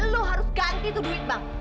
lo harus ganti tuh duit bang